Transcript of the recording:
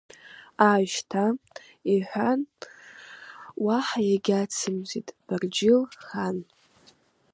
Ааи шьҭа, – иҳәан, уаҳа егьацимҵеит Барџьиль-хан.